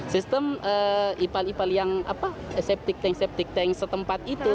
kita masukkan lagi sistem septic tank septic tank setempat itu